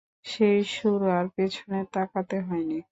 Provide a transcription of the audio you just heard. সেই শুরু, আর পিছনে তাকাতে হয়নি।